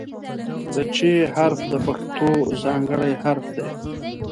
د "چ" حرف د پښتو ځانګړی حرف دی.